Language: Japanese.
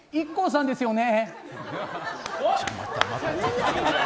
ＩＫＫＯさんですよね。